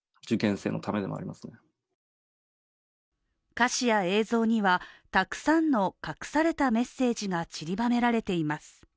歌詞や映像にはたくさんの隠されたメッセージがちりばめられています。